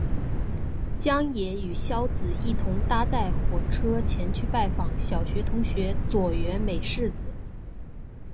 将也与硝子一同搭乘火车前去拜访小学同学佐原美世子。